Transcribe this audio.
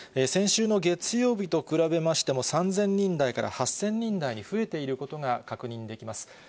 先週の月曜日と比べましても、３０００人台から８０００人台に増えていることが確認できます。